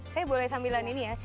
saya boleh sambilan ini ya